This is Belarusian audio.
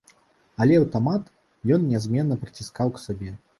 Але аўтамат ён нязменна прыціскаў к сабе.